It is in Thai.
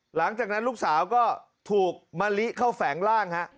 หลังจากนั้นลูกสาวก็ถูกมะลิเข้าแฝงร่างฮะ